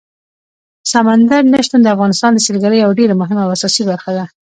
سمندر نه شتون د افغانستان د سیلګرۍ یوه ډېره مهمه او اساسي برخه ده.